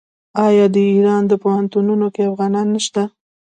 آیا د ایران په پوهنتونونو کې افغانان نشته؟